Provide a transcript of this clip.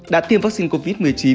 đã tiêm vaccine covid một mươi chín